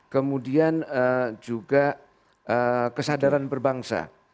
kemudian juga kesadaran berbangsa